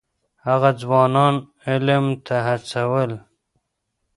هغه ځوانان علم ته هڅول.